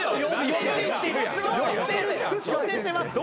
寄せてます。